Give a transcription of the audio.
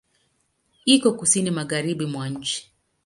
Iko Kusini magharibi mwa nchi.